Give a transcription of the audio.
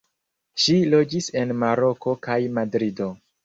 Ŝi loĝis en Maroko kaj Madrido.